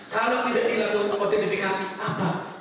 kalau tidak dilakukan identifikasi apa